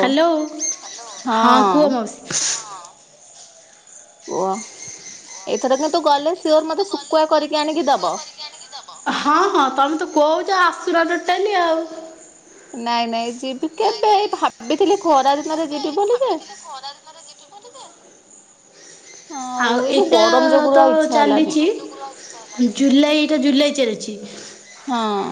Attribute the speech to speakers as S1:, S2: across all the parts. S1: Hello, ହଁ କୁହ ମାଉସି।
S2: ଏଇଥର କିନ୍ତୁ ଗଲେ ସିଓର ମତେ ଶୁକୁଆ କରିକି ଆଣିକି ଦବ।
S1: ହଁ-ହଁ ତମେ ତ କଉଚ ଆସୁନ ଟୋଟାଲି ଆଉ।
S2: ନାଇଁ-ନାଇଁ ଯିବି କେବେ ଏଇ ଭାବିଥିଲି ଖରା ଦିନରେ ଯିବି ବୋଲି ଯେ
S1: ଖରା ଦିନରେ ଯିବି ଆଉ ଏଇଟା ତ ଚାଲିଚି। ଜୁଲାଇ ଏଇଟା ଜୁଲାଇ ଚାଲ୍ଚି।
S2: ହଁ।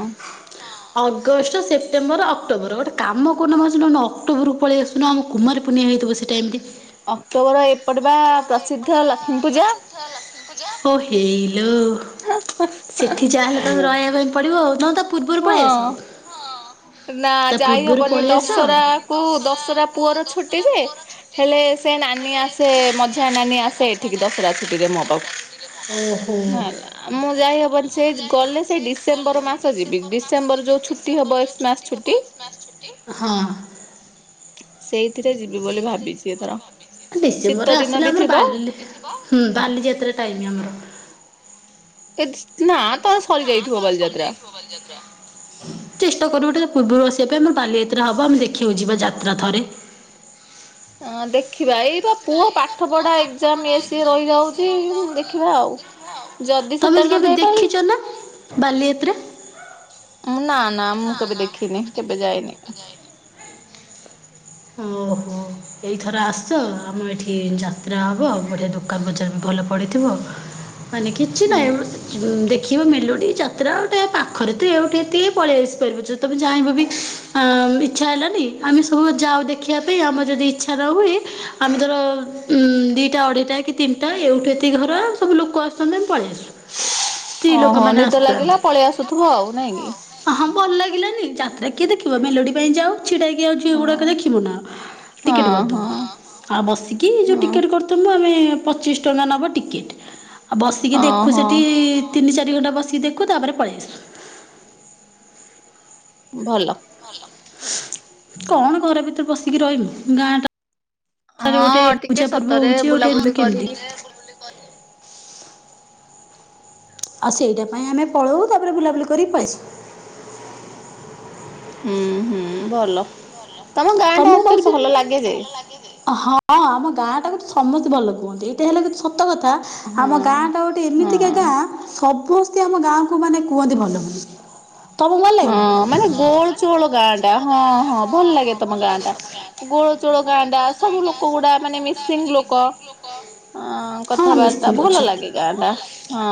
S1: ଅଗଷ୍ଟ, ସେପ୍ଟେମ୍ବର, ଅକ୍ଟୋବର ଗୋଟେ କାମ କରୁନ ମାଉସୀ ନହେନେ ଅକ୍ଟୋବରକୁ ପଳେଇ ଆସୁ ନ ଆମ କୁମାର ପୂର୍ଣ୍ଣିମା ହେଇଥିବ ସେଇ ଟାଇମରେ।
S2: ଅକ୍ଟୋବର ଏପଟେ ବା ପ୍ରସିଦ୍ଧ ଲକ୍ଷ୍ମୀ ପୂଜା।
S1: ଓ ହେଇଲୋ ସେଠି ଯାହେଲେ ତ ରହିବା ପାଇଁ ପଡିବ ଆଉ [unintelligible] ପୂର୍ବରୁ ପଳେଇ ଆସ?
S2: ନା ଯାଇ ହବନି ଦଶହରା କୁ ଦଶହରା ପୁଅର ଛୁଟି ଯେ ହେଲେ ସେ ନାନୀ ଆସେ ମଝିଆଁ ନାନୀ ଆସେ ଏଠିକି ଦଶରା ଛୁଟିରେ ମୋ ପାଖୁକୁ [inaudible] ମୁଁ ଯାଇହବନି ସେ ଗଲେ ସେଇ ଡିସେମ୍ବର ମାସ ଯିବି, ଡିସେମ୍ବର ଯୋଉ ଛୁଟି ହବ ଏସ୍ ମାସ୍ ଛୁଟି।
S1: ହଁ।
S2: ସେଇଥିରେ ଯିବି ବୋଲି ଭାବିଚି ଏଥର।
S1: ଡିସେମ୍ବରରେ ଆସିଲେ ଆମର ବାଲି ହୁଁ ବାଲିଯାତ୍ରା ଟାଇମ୍ ଆମର।
S2: ଏ ଦିସ୍ ନା ତ ସରିଯାଇଥିବ ବାଲିଯାତ୍ରା।
S1: ବାଲିଯାତ୍ରା। ଚେଷ୍ଟା କରିବୁ ଟିକେ ପୂର୍ବୁରୁ ଆସିବା ପାଇଁ ଆମର ବାଲିଯାତ୍ରା ହବ ଆମେ ଦେଖିବାକୁ ଯିବା ଯାତ୍ରା ଥରେ।
S2: ହଁ ଦେଖିବା ଏଇବା ପୁଅ ପାଠପଢା ଏକ୍ଜାମ୍ ଇଏ ସିଏ ରହିଯାଉଚି ଦେଖିବା ଆଉ।
S1: ତମେ କେବେ ଦେଖିଚ ନା ବାଲିଯାତ୍ରା?
S2: ମୁଁ ନା-ନା ମୁଁ କେବେ ଦେଖିନି କେବେ ଯାଇନି।
S1: ଓହୋ। ଏଇଥର ଆସ ଆମ ଏଠି ଯାତ୍ରା ହବ ଆଉ ବଢ଼ିଆ ଦୋକାନ୍ ବଜାର ବି ଭଲ ପଡ଼ିଥିବ। ମାନେ କିଛି ନାହିଁ ଦେଖିବ ମେଲୋଡ଼ି ଯାତ୍ରା ଗୋଟେ ପାଖରେ ତ ଏଉଠୁ ଏତିକି ପଳେଇ ଆସି ପାରିବ, ଯଦି ତମେ ଚାହିଁବ ବି ଆଁ ଇଛା ହେଲାନି ଆମେ ସବୁ ଯାଉ ଦେଖିବା ପାଇଁ ଆମର ଯଦି ଇଚ୍ଛା ନ ହୁଏ ଆମେ ଧର ଉଁ ଦିଟା ଅଢେଇଟା କି ତିନିଟା ଏଇଠୁ ଏତିକ ଘର ସବୁ ଲୋକ ଆସୁଚନ୍ତି ଆମେ ପଳେଇ ଆସୁ।
S2: ଓହୋ, ନିଦ ଲାଗିଲା ପଳେଇ ଆସୁଥିବ ଆଉ ନାଇଁ କି?
S1: ହଁ ଭଲ ଲାଗିଲାନି ଯାତ୍ରା କିଏ ଦେଖିବ ମେଲୋଡି ପାଇଁ ଯାଉ ଛିଡା ହେଇକି ଆଉ ଝିଅ ଗୁଡା ଯାତ୍ରା ଦେଖିବୁ ନା ଟିକେଟ୍ କରିଦବୁ। ଆଉ ବସିକି ଯୋଉ ଟିକେଟ୍ କରିଥମୁ ଆମେ ପଚିଶ୍ ଟଙ୍କା ନବ ଟିକେଟ୍। ଆଉ ବସିକି ଦେଖୁ ସେଠି ତିନି ଚାରି ଘଣ୍ଟା ବସିକି ଦେଖୁ ତାପରେ ପଳେଇ ଆସୁ।
S2: ଭଲ।
S1: କଣ ଘର ଭିତରେ ବସିକି ରହିମି ଗାଁ ଟା ଗାଁ ଟାରେ ଗୋଟେ ପୂଜା ପର୍ବ ହଉଛି ଗୋଟେ ଜିବୁନି କେମିତି। ଆଉ ସେଇଟା ପାଇଁ ଆମେ ପଳଉ ତା ପରେ ବୁଲାବୁଲି କରି ପଳେଇଆସୁ।
S2: ହୁଁ ହୁଁ ଭଲ ତମ ଗାଁ ଟା ଆକ୍ଚୁଆଲି ଭଲ ଲାଗେ ଯେ।
S1: ହଁ। ହଁ ଆମ ଗାଁ ଟା କୁ ତ ସମସ୍ତେ ଭଲ କୁହଁନ୍ତି ଏଇଟା ହେଲେ ସତ କଥା ଆମ ଗାଁ ଟା ଗୋଟେ ଏମିତିକା ଗାଁ ସମସ୍ତେ ଆମ ଗାଁକୁ ମାନେ କୁହନ୍ତି ଭଲ।
S2: ହଁ ମାନେ ଗୋଳ ଚୋଳ ଗାଁ ଟା ହଁ ହଁ ଭଲ ଲାଗେ। ତମ ଗାଁଟା ଗୋଳ ଚୋଳ ଗାଁଟା ସବୁ ଲୋକ ଗୁଡା ମାନେ ମିସିଙ୍ଗ୍ ଲୋକ। ହଁ କଥାବାର୍ତ୍ତା ଭଲ ଲାଗେ ଗାଁ ଟା ହଁ।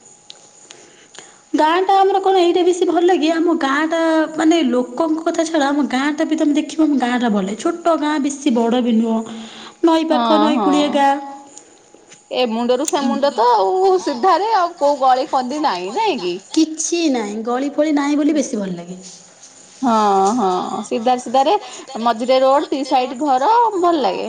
S1: [inaudible] ଗାଁ ଟା ଆମର କଣ ଏଇଟା ବେଶୀ ଭଲ ଲାଗେ ଆମ ଗାଁଟା ମାନେ ଲୋକଙ୍କ କଥା ଛାଡ ଗାଁଟା ବି ତମେ ଦେଖିବ ଆମ ଗାଁଟା ଭଲଲାଗେ ଛୋଟ ଗାଁ ବେଶୀ ବଡ଼ ବି ନୁହଁ।
S2: ହଁ ହଁ। ଏ ମୁଣ୍ଡରୁ ସେ ମୁଣ୍ଡ ତ ଆଉ ସିଧାରେ ଆଉ କୋଉ ଗଳି କନ୍ଦି ନାହିଁ ନାଇଁ କି।
S1: କିଛି ନାହିଁ ଗଳି ଫଳି ନାହିଁ ବୋଲି ବେଶୀ ଭଲ ଲାଗେ।
S2: ହଁ ହଁ। ସିଧା ସିଧାରେ ମଝିରେ ରୋଡ ଦି ସାଇଡ୍ ଘର ଭଲ ଲାଗେ।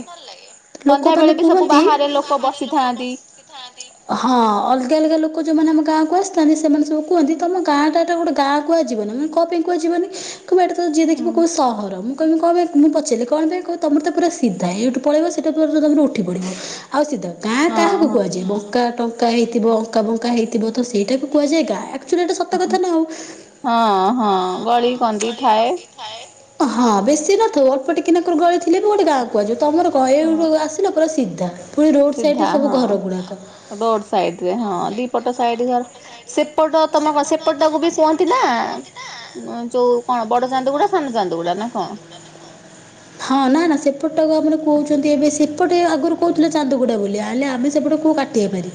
S2: ସନ୍ଧ୍ୟା ବେଳେ ବି ସବୁ ବାହାରେ ଲୋକ ବସିଥାନ୍ତି।
S1: ବସିଥାନ୍ତି। ହଁ ଅଲଗା ଅଲଗା ଲୋକ ଯୋଉମାନେ ଆମ ଗାଁକୁ ଆସିଥାନ୍ତି ସେମାନେ ସବୁ କୁହଁନ୍ତି ତମ ଗାଁଟା ଏଟା ଗୋଟେ ଗାଁ କୁହାଯିବ ନା ମାନେ କ ପାଇଁ କୁହା ଯିବନି କହିବେ ଏଟା ତ ଯିଏ ଦେଖିବ କୋଉ ସହର ମୁଁ କହିବି କଣ ପାଇଁ ମୁଁ ପଚାରିଲି କଣ ପାଇଁ କ ତମର ତ ପୁରା ସିଧା ଏଇଠୁ ପଳେଇବ ସେଟା ତମରତ ଉଠି ପଡିବ ଆଉ ସିଧା। ଗାଁ କାହାକୁ କୁହାଯାଏ ବଙ୍କା ଟଙ୍କା ହେଇଥିବ ଅଙ୍କା ବଙ୍କା ହେଇଥିବ ତ ସେଇଟାକୁ କୁହାଯାଏ ଗାଁ। ଆକ୍ଚୁଆଲି ଏଇଟା ସତ କଥା ନା ଆଉ।
S2: ହଁ ହଁ ଗଳି କନ୍ଦି ଥାଏ।
S1: ହଁ ବେଶୀ ନଥିବ ଅଳ୍ପ ଟିକେନାକରୁ ଗଳିଥିଲେ ବି ଗୋଟେ ଗାଁ କୁହା ଯିବ ତମର କଣ ଏଇଠୁ ସିଲ ପୁରା ସିଧା।
S2: ସିଧା ହଁ ରୋଡ ସାଇଡରେ ହଁ ଦିପଟ ସାଇଡ୍ ଘର। ସେପଟ ତମ ସେପଟାକୁ ବି କୁହନ୍ତି ନା ଯୋଉ କଣ ବଡ ଚାନ୍ଦୁଗୁଡ଼ା ସାନ ଚାନ୍ଦୁଗୁଡା ନା କଣ।
S1: ହଁ ନା ନା ନା ସେପଟା କୁ ଆମର କହୁଛନ୍ତି ଏବେ ସେପଟେ ଆଗରୁ କହୁଥିଲେ ଚାନ୍ଦୁଗୁଡା ବୋଲି ହେଲେ ଆମେ ସେପଟ କୁ କହୁ କାଟିଆମାରି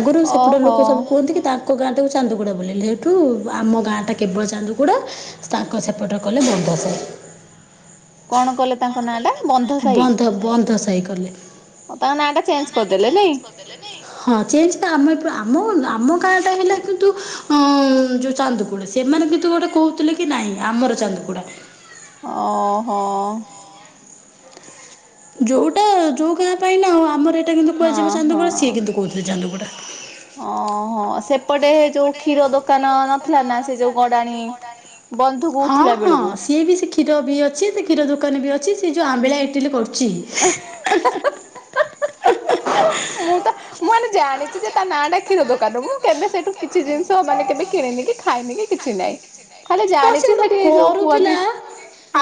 S1: ଆଗରୁ ସେପଟ ଲୋକ ସବୁ କୁହନ୍ତି କି ତା ତାଙ୍କ ଗାଁ ଟାକୁ ଚାନ୍ଦଗୁଡ଼ା ବୋଲି ସେଇଠୁ ଆମ ଗାଁଟା କେବଳ ଚାନ୍ଦୁ ନଗୁଡ଼ା ତାଙ୍କ ସେପଟ ରେ କଲେ ବନ୍ଧସାହି।
S2: କଣ କଲେ ତାଙ୍କ ନାଁ ଟା।
S1: ବନ୍ଧ ବନ୍ଧ ସାହି କଲେ
S2: ତାଙ୍କ ନାଁଟା ଚେଞ୍ଜ କରିଦେଲେ ନାଇଁ
S1: ହଁ ଚେଞ୍ଜ ଆମ ଏ ଆମ ଆମ ଗାଁ ଟା ହେଲା କିନ୍ତୁ ଅ ଯୋଉ ଚାନ୍ଦୁ ଡ଼ା ସେମାନେ କିନ୍ତୁ ଗୋଟେ କହୁଥିଲେ କି ନାଇଁ ଆମର ଚାନ୍ଦୁ ଗୁଡ଼ା
S2: ଓହୋ
S1: ଯୋଉଟା ଯୋଉ ଗାଁ ପାଇଁ ନା ଆଉ ଆମର ଏଇଟା କିନ୍ତୁ କୁହାଯିବ ଚାନ୍ଦୁଗୁଡ଼ା ସିଏ କିନ୍ତୁ କହୁଥିଲେ ଚାନ୍ଦୁଗୋଡ଼ା
S2: ଓହୋ ସେପଟେ ଯୋଉ କ୍ଷୀର ଦୋକାନ ନଥିଲା ନା ସେ ଯୋଉ ଗଡାଣି
S1: ହଁ ହଁ ସିଏବି ଶିଖି କ୍ଷୀରବି ଅଛି ସେକ୍ଷୀର ଦୋକାନବି ଅଛି ସେଯେଉଁ ଆମ୍ବିଳା ଇଟିଲି କରୁଚି
S2: ମୁଁ ତ ମୁଁ ମାନେ ଜାଣିଚିଯେ ତା ନାଟା କ୍ଷୀର ଦୋକାନ ମୁଁ କେବେ ସେଇଠୁ କିଛି ଜିନିଷ ମାନେ କେବେ କିଣେନିକି ଖାଇନିକି କିଛି ନାଇଁ
S1: ହଁ ସେଗୋଟେ କରୁଥିଲା,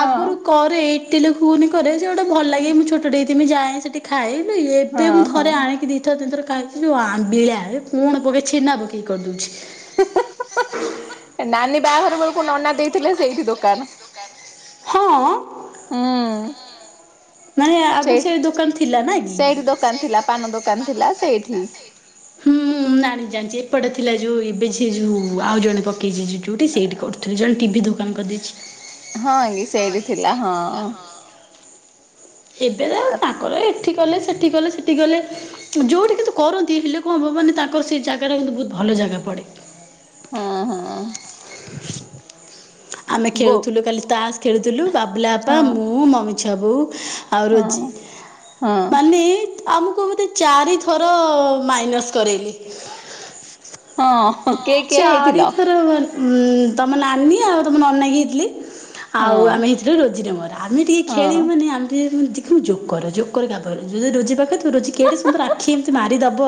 S1: ଆଗୁରୁ କରେ ଇଟିଲି ଗୁଘୁନି କରେ ସେଗୋଟେ ଭଲ ଲାଗେ ମୁଁ ଛୋଟଟେ ହେଇଥିମି ଯାଏ ସେଠି ଖାଇଏ ଏବେ ମୁଁ ଥରେ ଆଣିକି ଦି ଥରେ ଦିଥର ଖାଇଥିଲୁ ଯୋଉ ଆମ୍ୱିଳା ଇଏ କଣ ପକେଇ ଛେନା ପକେଇକି କରିଦଉଛି।
S2: ନାନୀ ବାହାଘର ବେଳକୁ ନନା ଦେଇଥିଲେ ସେଇଠି ଦୋକାନ।
S1: ହଁ।
S2: ହୁଁ।
S1: ମାନେ ଆଗୁରୁ ସେଦୋକାନ ଥିଲା ନାଇଁକି?
S2: ଥିଲା ପାନ ଦୋକାନ ଥିଲା ସେଇଠି।
S1: ହୁଁ ନାଁ ଜାଣିଚି ଜାଣିଚି ଏପଟେ ଥିଲା ଯୋଉ ଏବେ ଯିଏ ଯୋଉ ଆଉ ଜଣେ ପ [unintelligible] ଯୋଉଠି ସେଇଠି କରୁଥିଲ ଜଣେ ଟିଭି ଦୋକାନ କରିଦେଇଚି।
S2: ହଁ କି ସେଇଠି ଥିଲା ହଁ।
S1: ଏବେତ ତାଙ୍କର ଏଠି କଲେ ସେଠି କଲେ ସେଠି କଲେ ଯୋଉଠି କିନ୍ତୁ କରନ୍ତି ହେଲେ କଣ ହବ ମାନେ ତାଙ୍କର ସେଜାଗାଟା କିନ୍ତୁ ବହୁତ୍ ଭଲ ଜାଗା ପଡ଼େ
S2: ହଁ ହଁ।
S1: ଆମେ ଖେଳୁଥିଲୁ କାଲି ତାସ୍ ଖେଳୁଥିଲୁ ବାବୁଲା ବାପା, ମୁଁ, ମମି, ଛୁଆ ବୋଉ ଆଉ ରୋଜି ମାନେ ଆମକୁ ବୋଧେ ଚାରିଥର ମାଇନସ୍ କରେଇଲେ।
S2: ହଁ।
S1: ହଁ ଚାରିଥର ଉମ୍ ତମ ନାନୀ ଆଉ ତମ ନନାକି ହେଇଥିଲେ ଆଉ ଆମେ ହେଇଥିଲୁ ରୋଜିର ମୋର ଆମେ ଟିକେ ଖେଳିବୁ ମାନେ ଆମେ ଟିକେ ଚି ମୁଁ ଜୋକର ଜୋକରେ କାହା ପାଖରେ ଯଦି ରୋଜି ପାଖରେ ରୋଜି କେଡ଼େ ସୁନ୍ଦର ଆଖି ଏମିତି ମାରିଦେବ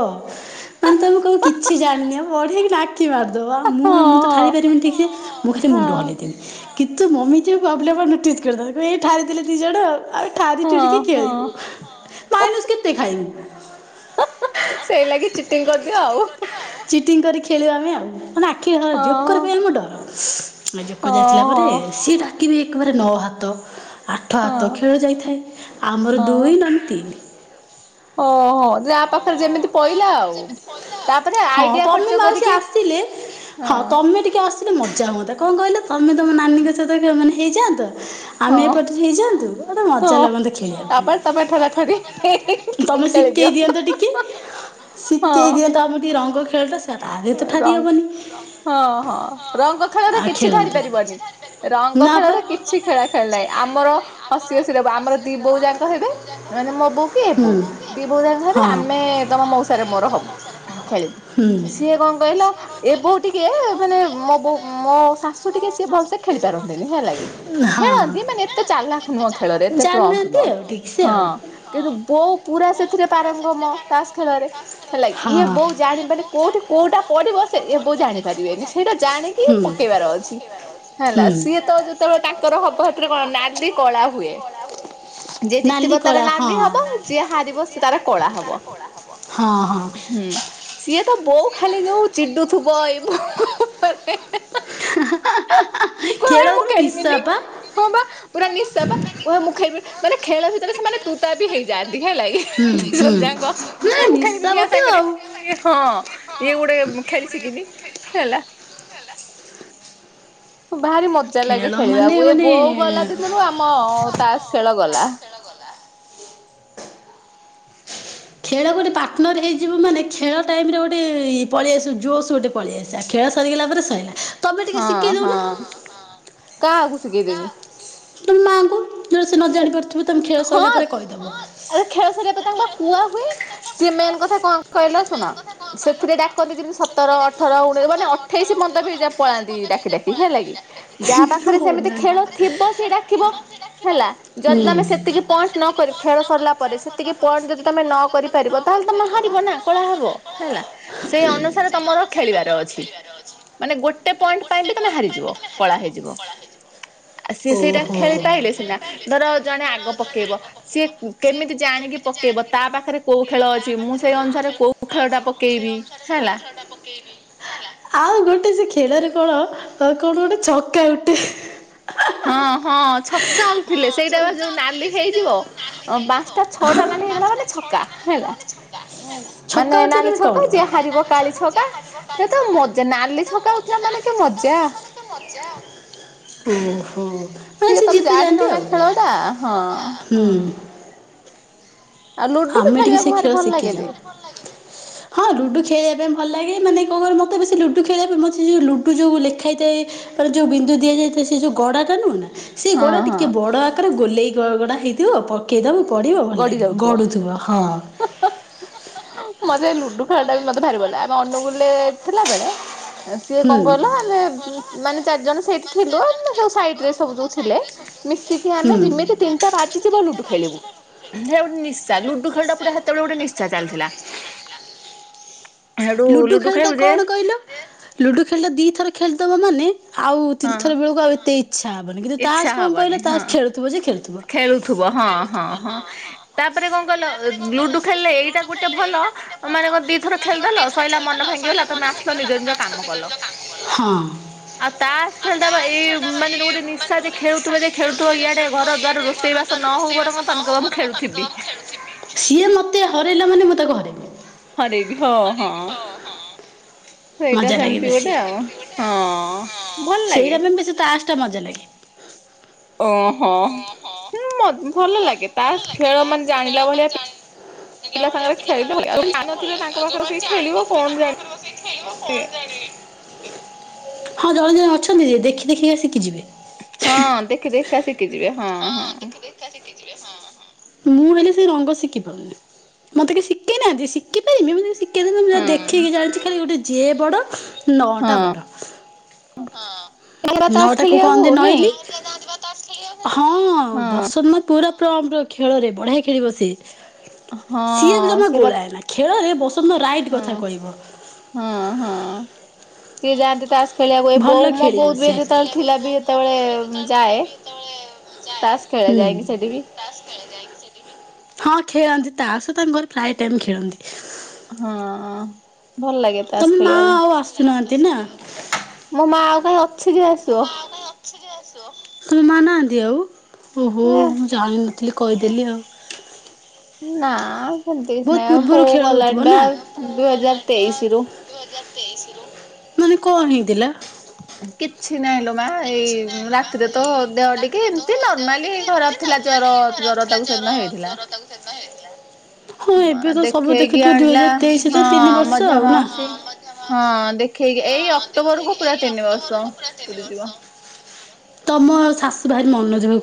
S1: ମାନେ ତମେ କଇଁବ କିଛି ଜାଣିନି ଆଉ ବଢ଼ିଆ କିନା ଆ ଖି ମାରିଦବ ମୁଁ ମୁଁତ ଠାରି ପାରିବିନି ଠିକ୍ ସେ ମୁଁ ଖାଲି ମୁଣ୍ଡ ହଲେଇଦେମି। କିନ୍ତୁ ମମିଯେ ବାବୁଲା ବାପା ନୋଟିିସ୍ କରିଦେଇ କଇଁବେ ଏଇ ଠାରିଦେଲେ ଦିଇ ଜଣ ଆଉ ଠାରୀ ଚୋରିକୁ ଖେଲିବୁ ମାଇନସ୍ କେତେ ଖାଇବୁ।
S2: ସେଇ ଲାଗି ଚିଟିଙ୍ଗ କରିଦିଅ ଆଉ।
S1: ଚିଟିଙ୍ଗ କରି ଖେଳୁ ଆମେ ଆଉ। ମାନେ ଆଖି ଜୋକର ପାଇଁ ଆମକୁ ଡର ଆଉ ଜୋକର ଯାଇଶାରିଲା ପରେ ସିଏଟା ଆକିବି ଏକ ବାର ନଅ ହାତ ଆଠ ହାତ ଖେଳ ଯାଇଥାଏ ଆମର ଦୁଇ ନହେନେ ତିନି
S2: ଓହୋ। ଯାପାଖରେ ଯେମିତି ପହିଲା ଆଉ ତାପରେ ଆଇଡିଆ ଖର୍ଚ୍ଚ କରିକି
S1: ହଁ ତମେ ଟିକେ ଆସ ମାନେ ମଜା ହୁଅନ୍ତା କଁ କହିଲେ ତମେ ତମ ନାନୀଙ୍କ ସହିତ ମାନେ ହେଇଯାଆନ୍ତ ଆମେ ଏପଟରେ ହେଇଯାଆନ୍ତୁ ଗୋଟେ ମଜା ଲାଗନ୍ତା ଖେଳିବା ପାଇଁ ତମେ ଶିଖେଇ ଦିଅ ଟିକେ ଶିଖେଇ ଦିଅନ୍ତ ଆମେ ଟିକେ ରଙ୍ଗ ଖେଳଟା ସେରା ଆଗେତ ଠାରି ହବନି
S2: ହଁ ହଁ ରଙ୍ଗ ଖେଳରେ କିଛି ଧରି ପାରିବନି। ରଙ୍ଗ ଖେଳରେ କିଛି ଖେଳା ଖେଳି ନାଇଁ ଆମର ହସି ହସି ଦବ ଆମର ଦିବୋଉ ଯାକ ହେବେ ମାନେ ମବୋକି ହେବୁ ଦିବୋଉ ଯାଙ୍କ ହେବେ ଆମେ ତମ ମଉସାରେ ମୋର ହବୁ ଖେଳିବୁ ସିଏ କଁ କହିଲ ଏବୋଉ ଟିକେ ମାନେ ମୋ ବୋଉ ମୋ ଶାଶୁ ଟିକେ ସିଏ ଭଲସେ ଖେଳି ପାରନ୍ତିନି ହେଲାକିି ଖେଳନ୍ତି ମାନେ ଏତେ ଚାଲାକ୍ ନୁହଁ ଖେଳରେ ଏତେ ପ୍ରମ୍ପ୍ଟ ନୁହଁ ହଁ। କିନ୍ତୁ ବୋଉ ପୁରା ସେଥିରେ ପାରଙ୍ଗମ ତାସ୍ ଖେଳରେ ହେଲା ଇଏ ବୋଉ ଜାଣିପାରେ କୋଉଠି କୋଉଟା ପଡିବ ସେ ଏ ବଉ ଜାଣି ପାରିବେନି ସେଇଟା ଜାଣିକି ପକେଇବାର ଅଛି। ହେଲା ସିଏ ତ ଯେତେବେଳେ ତାଙ୍କର ହବ ହେଥିରେ କଣ ନାଲି କଳା ହୁଏ। ଯିଏ ଜିତିବ ତାର ନାଲି ହବ ଯିଏ ହାରିବ ସେ ତାର କଳା ହବ ହୁଁ। ତ ବୋଉ ଖାଲି ଯୋଉ ଚିଡୁଥିବ ଏଇ ଭଗବାନେ।
S1: ଖେଳ ଗୋଟେ ନିଶା ପା।
S2: ହଁ ବା ପୁରା ନିଶା ବା କୁ ମୁଁ ଖାଇ ମାନେ ଖେଳ ଭିତରେ ସେମାନେ ତୁ ତା ବି ହେଇଯାଆନ୍ତି ହେଲାକି। ଦି ଜଣ ଯାଁକ ନାଈଁ ମୁଁ ଖାଇବିନି ୟା‌ ସାଙ୍ଗରେ। ଇଏ ହଁ ଇଏ ଗୋଟେ ଖେଳି ଶିିକିନି ହେଲା। ଭାରି ମଜା ଲାଗେ ଖେଳିବାକୁ ଏ ବୋଉ ଗଲା ଦିନରୁ ଆମ ତାସ୍ ଖେଳ ଗଲା।
S1: ଖେଳ ଗୋଟେ ପାର୍ଟନର୍ ହେଇଯିବ ମାନେ ଖେଳ ଟାଇମ୍ ରେ ଗୋଟେ ପଳିଆସେ ଜୋସରେ ଗୋଟେ ପଳିଆସେ ‌। ଚା ଖେଳ ସରିଗଲା ପରେ ସଇଲା ତମେ ଟିକେ ଶିକେଇ ଦୋଉନ।
S2: କାହାକୁ‌ ସିକେଈ ଦେବି?
S1: ତମ ମାଙ୍କୁ ଜୋଉଟା ସେ ନ ଜାଣି ପାରୁଥିବେ ତମେ ଖେଳ ସଇଲା ପରେ କହିଦବ ହଁ
S2: ଆରେ ଖେଳ ସିରିବା ପରେ ତାଙ୍କୁ କୁଆ ହୁଏ ସିଏ ମେନ୍ କଥା କଁ କହିଲ ଶୁଣ ସେଥିରେ ଡାକନ୍ତି ଯେମିତି ସତର ଅଠର ଉଣେଇ ମାନେ ଅଠେଇଶି ମନ୍ଦ ବି ପଳାନ୍ତି ଡାକି ଡାକି ହେଲା କି ଯା ପାଖରେ ସେମିତି ଖେଳ ଥିବ ସିଏ ଡାକିବ ହେଲା ଯଦି ତମେ ସେତିକି ପଏଣ୍ଟ ନ କରି ଖେଳ ସରିଲା ପରେ ସେତିକି ପଏଣ୍ଟ ଯଦି ତମେ ନ କରିପାରିବ ତାହେଲେ ତମେ ହାରିବ ନାଁ କଳା ହବ ହେଲା ସେଇ ଅନୁସାରେ ତମର ଖେଳିବାର ଅଛି। ମାନେ ଗୋଟେ ପଏଣ୍ଟ୍ ପାଇଁ ବି ତମେ ହାରିଯିବ। କଳା ହେଇଯିବ ଆ ସିଏ ସେଇଟା ଖେଳି ପାଇଲେ ସିନା। ଧର ଜଣେ ଆଗ ପକେଇବ‌। ସିଏ କେମିତି ଜାଣିକି ପକେଇବ ତା ପାଖରେ କୋଉ ଖେଳ ଅଛି ମୁଁ ସେଇ ଅନୁସାରେ କୋଉ ଖେଳ ଟା ପକେଇବି? ସର୍ଲା।
S1: ଟା ପକେଇଲେ। ଆଉ ଗୋଟେ ସେ ଖେଳରେ କଣ ଅ କଣ ଗୋଟେ ଚକା ଗୋଟେ।
S2: ହଁ ହଁ ଛକା ଉଠିଲେ ସେଇଟା ବା ଯୋଉ ନାଲି ହେଇଯିବ। ଅ ପାଞ୍ଚ୍ ଟା ଛଅଟା ନାଲି ହେଇଗଲା ମାନେ ଛକା ହେଲା ଉଁ ମାନେ ନାଲି ଛକା ଯିଏ ହାରିବ କାଳି ଛକା ଏତ ମଜା ନାଲି ଛକା ମଜା ମାନେ କେ ମଜା‌?
S1: ମଜା ଓହୋ।
S2: ସିଏ ତମେ ଜାଣିନ ନା ଖେଳ ଟା ହଁ
S1: ହୁଁ। ଆମେ ଟିକେ ସେ ଖେଳ ଶିଖିଯାଉ। ହଁ ଲୁଡୁ ଖେଳିବା ପାଇଁ ଭଲ ଲାଗେ ମାନେ କଁ କଇଲ ମତେ ବେଶୀ ଲୁଡୁ ଖେଳିବା ପା ମତେ ଯଉ ଲୁଡୁ ଯୋଉ ଲେଖା ହେଇଥାଏ ତାର ଯୋଉ ବିନ୍ଦୁ ଦିଆଯାଇ ଥାଏ ସେ ଯଉ ଗଡା ଟା ନୁହେଁ ନା ସେଇ ଗଡ଼ା ଟିକେ ବଡ ଆକାରରେ ଗୋଲେଇ ଗ ଗଡା ହେଇଥିବ ପକେଇଦବ ପଡିବ ଭଲ ଲାଗିବ ଗଡ ଥିବ ହଁ।
S2: ମତେ ଲୁଡୁ ଖେଳଟା ବି ମତେ ଭାରିି ଭଲ ଲାଗେ ଆମେ ଅନୁଗୁଲେ ଥିଲା ବେଳେ ଆ ସିଏ କଁ କଈଲା ଆମେ ମାନେ ଚାର୍ ଜଣ ସେଇଠି ଥିଲୁ ଆମେ ସବୁ ସାଇରେ ସବୁ ଯୋଉ ଥିଲେ ମିଶିକି ଆମେ ଯେମିତି ତିନ୍ ଟା ବାଯିଜିବ ଲୁଡୁ ଖେଳିବୁ। ସେ ଗୋଟେ ନିଶା ଲୁଡୁ ଖେଳଟା ପୁରା ସେତେବେଳେ ଗୋଟେ ନିଶା ଚାଲିଥିଲା। ହେଟୁ ଲୁଡୁ ଖେଳିବୁ ଯେ
S1: ଲୁଡ଼ୁ ଖେଳ ଟା ଦି ଥର ଖେଳି ଦବ ମାନେ ଆଉ ତିନି ଥର ବଳକୁ ଆଉଏତେ ଇଚ୍ଛା ହେବନି। କିନ୍ତୁ ତାସ୍ କଁ କହିଲ ତାସ ଖେଳୁ ଥିବ ଯେ ଖେଳୁଥିବ।
S2: ଥୁବ ହଁ, ହଁ, ହଁ। ତାପରେ କଣ କହିଲ ଲୁଡୁ ଖେଲିଲେ ଏଇଟା ଗୋଟେ ଭଲ ମାନେ କଣ ଦିଥର ଖେଳିଦେଲ ସଇଲା ମନ ଭାଙ୍ଗିଗଲା, ତମେ ଆସିଲ ନିଜ ନିଜ କାମ କଲ।
S1: ହଁ।
S2: ଆଉ ତାସ୍ ଖେଳଟା ବା ଏଇ ମାନେ ଯୋଉ ଗୋଟେ ନିଶା ଯେ ଖେଳୁଥିବ ଯେ ଖେଳୁଥିବ ଇଆଡେ ଘର ଦ୍ବାର ରୋଷେଇ ବା ସ ନହଉ ବରମ ତମେ କହିବ ମୁଁ ଖେଳୁଥିବି।
S1: ସିଏ ମତେ ହରାଇଲା ମାନେ ମୁଁ ତାକୁ ହରେଇବି।
S2: ହରେଇବି ହଁ, ହଁ।
S1: ମଜା ଲାଗେ ବେଶି, ସେଇଟା ସେମିତି ଗୋଟେ ଆଉ ହଁ, ସେଇଟା ପାଇଁ ବେଶୀ ତାସ୍ ଟା ମଜା ଲାଗେ।
S2: ଓହୋଁ, ମ ଭଲ ଲାଗେ ତାସ୍ ଖେଳ ମାନେ ଜାଣିଲା ଭଳିଆ ପିଲା ସାଙ୍ଗରେ ଖେଳିଲେ ଭଲଲାଗେ। ଆଉ ଯିଏ ଜାଣିନଥିବ ତା
S1: ଯୋଉମାନେ ଜାଣି ନଥିବେ ତାଙ୍କ ପାଖରେ ବସି ଖେଳିବ କଣ୍ ଯାଣିବେ? ହଁ ଜଣେ ଜଣେ ଅଛନ୍ତି ଯେ, ଦେଖି ଦେଖିକି ଆ ଶିକି ଯିବେ।
S2: ହଁ ଦେଖି, ଦେଖି ଶିଖି ଯିବେ ହଁ, ହଁ।
S1: ଦେଖି ଶିଖି ଯିବେ ହଁ, ମୁଁ ହେଲେ ସେ ରଙ୍ଗ ଶିଖିପାରୁନି, ମତେ କେହି ଶିଖେଇ ନାହାନ୍ତି, ଶିଖିପାରିବି କିନ୍ତୁ ମୁ ଦେଖିକି ଜାଣିଛି, ଗୋଟେ ଜେ ବଡ, ନଅଟା ବଡ଼, ହଁ ନଟାକୁ କହନ୍ତି ନଇଲି। [unintelligible] ହଁ ବସନ୍ତ ପୁରା ପ୍ରମର୍ଟ ଖେଳ ରେ ବଢିଆ ଖେଳିବ ସେ, ସିଏ ଜମା ଗୋଳାଏ ନା ଖେଳରେ ବସନ୍ତ ରାଇଟ କଥା କହିବ।
S2: ହଁ, ହଁ ସିଏ ଯାଆନ୍ତି ତାସ୍ [unintelligible] ଖେଳିଆକୁ, ବୋଉ ମୋ ବୋଉ ବି ଯେତେବେଳେ ଥିଲା ବି ଯେତେବେଳେ ଯାଏ, ତାସ ଖେଳିଆକୁ ଯାଏନି ସେଠି ବି
S1: ତାସ ଖେଳି ଆକୁ ଯାଏନି ସେଠି ବି ହଁ ଖେଳନ୍ତି, ତାସ ହିଁ ତାଙ୍କ ଘରେ ପ୍ରାୟ ଟାଇମ୍ ଖେଳନ୍ତି।
S2: ହଁ, ଭଲ ଲାଗେ।
S1: ତମ ମା ଆଉ ଆସୁନାହାନ୍ତି ନା?
S2: ମୋ ମା ଆଉ କାଇଁ ଅଛି ଯେ, ଆସିବ।
S1: ଅଛି ଯେ, ଆସିବ। ତୁମ ମା ନାହାନ୍ତି ଆଉ ଓହୋ ମୁଁ ଜାଣିନଥିଲି କହିଦେଲି ଆଉ,
S2: ନା ସେମିତି କିଛି ନାଇଁ, ବୋଉ ଗଲାଣି ବା ଦୁଇ ହଜାର ତେଇଶି ରୁ,
S1: ଦୁଇ ହଜାର ତେଇଶି ରୁ, ମାନେ କଣ ହେଇଥିଲା?
S2: କିଛି ନାହିଁ ଲ ମା ଏଇ ରାତିରେ ତ ଦେହ ଟିକେ ଏମିତି ନର୍ମାଲି ଖରାପ ଥିଲା ଜ୍ୱର, ଜ୍ଵର ତାକୁ ସେଦିନ ହେଇଥିଲା। ମା ଦେଖେଇକି ଆଣିଲା ହଁ, ମଝିଆ ମାଉସି ହଁ ଦେଖେଇକି ଏଇ ଅକ୍ଟୋବର କୁ ପୁରା ତିନି ବର୍ଷ ପୁରି ଯିବ।
S1: ତମର ଶାଶୁ ଭାରି ମନ [unintelligible]